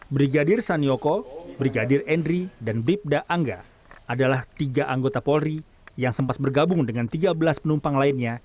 brigadir sanioko brigadir endri dan bribda angga adalah tiga anggota polri yang sempat bergabung dengan tiga belas penumpang lainnya